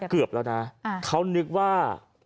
เกือบแล้วนะเขานึกว่า